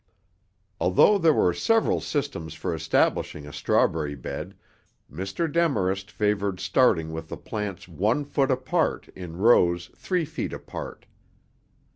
Although there were several systems for establishing a strawberry bed, Mr. Demarest favored starting with the plants one foot apart in rows three feet apart.